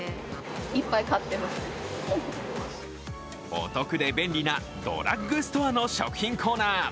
お得で便利なドラッグストアの食品コーナー。